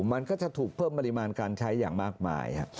มันก็จะถูกเพิ่มปริมาณการใช้อย่างมากมาย